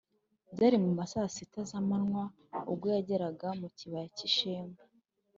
Byari mu ma saa sita z’amanywa ubwo yageraga mu kibaya cy’i Shekemu